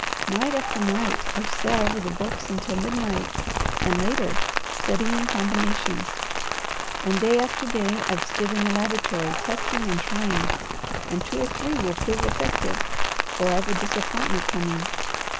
Night after night I've sat over the books until midnight and later, studying combinations; and day after day I've stood in the laboratory testing and trying, and two or three will prove effective, or I've a disappointment coming."